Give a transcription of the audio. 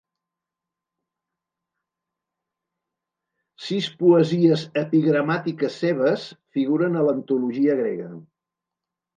Sis poesies epigramàtiques seves figuren a l'antologia grega.